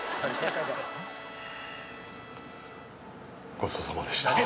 ごちそうさまでした。